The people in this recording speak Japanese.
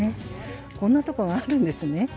こんな所があるんですね。